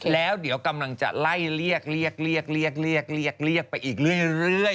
แล้วเดี๋ยวกำลังจะไล่เรียกเรียกไปอีกเรื่อย